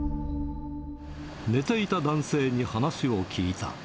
寝ていた男性に話を聞いた。